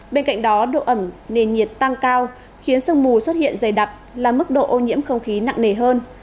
bên cạnh đó độ ẩm nền nhiệt tăng cao khiến sương mù xuất hiện dày đặc là mức độ ô nhiễm không khí nặng nề hơn